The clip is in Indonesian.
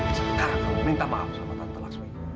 sekarang kamu minta maaf sama tante laksmi